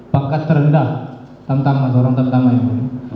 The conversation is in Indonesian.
pangkat terendah tantangan orang tantangan ya mulia